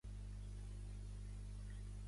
Per anar a Campos has de fer molta marrada.